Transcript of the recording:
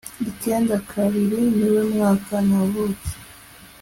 icyenda kabiri niwe mwaka navutse